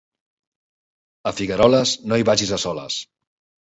A Figueroles, no hi vagis a soles.